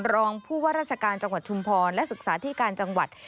รองผู้ว่าราชการจังหวัดชุมพรและศึกษาที่การจังหวัด